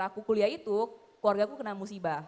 aku kuliah itu keluarga aku kena musibah